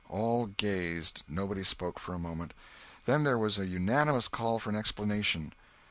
All gazed, nobody spoke for a moment. Then there was a unanimous call for an explanation.